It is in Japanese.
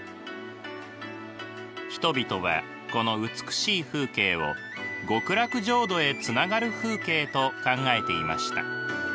人々はこの美しい風景を極楽浄土へつながる風景と考えていました。